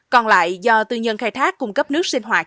còn lại do tư nhân khai thác cung cấp nước sinh hoạt